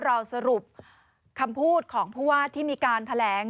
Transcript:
เราสรุปคำพูดของผู้ว่าที่มีการแถลง